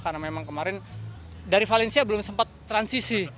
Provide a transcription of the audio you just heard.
karena memang kemarin dari valencia belum sempat transisi